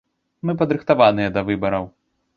Мы падрыхтаваныя да выбараў.